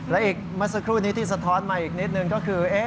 และอีกเมื่อสักครู่นี้ที่สะท้อนมาอีกนิดนึงก็คือ